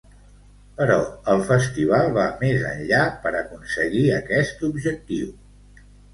Però el festival va més enllà per aconseguir aquest objectiu.